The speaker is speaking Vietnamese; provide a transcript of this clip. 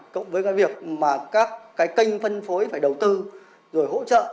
cộng với cái việc mà các cái kênh phân phối phải đầu tư rồi hỗ trợ